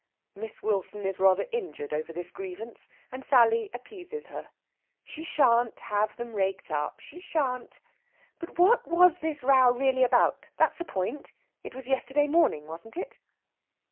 Miss Wilson is rather injured over this grievance, and Sally appeases her. "She shan't have them raked up, she shan't! But what was this row really about, that's the point? It was yesterday morning, wasn't it?"